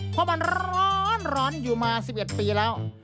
เพราะมันร้อนอยู่มา๑๑ปีแล้ว